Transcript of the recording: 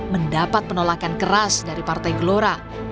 mendapat penolakan keras dari partai gelora